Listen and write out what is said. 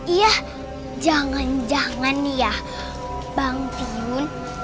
iya jangan jangan ya bang tiun